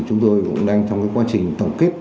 chúng tôi cũng đang trong quá trình tổng kết